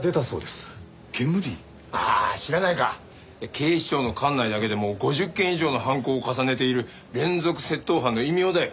警視庁の管内だけでも５０件以上の犯行を重ねている連続窃盗犯の異名だよ。